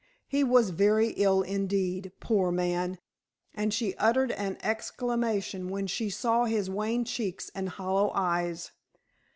He was very ill indeed, poor man, and she uttered an exclamation when she saw his wan cheeks and hollow eyes.